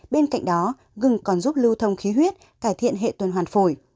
bên cạnh đó gừng còn giúp lưu thông khí huyết cải thiện hệ tuần hoàn phổi